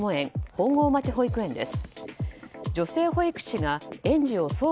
本郷町保育園です。